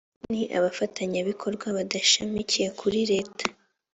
ni abafatanyabikorwa badashamikiye kuri leta